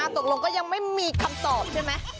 ตกลงก็ยังไม่มีคำตอบใช่ไหม